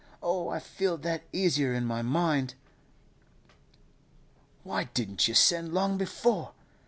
Oh, I feel that easier in my mind!' 'Why didn't you send long before?